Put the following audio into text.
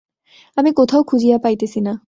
আমি কোথাও খুঁজিয়া পাইতেছি না।